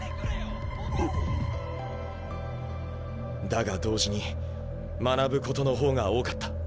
だが同時に学ぶことの方が多かった。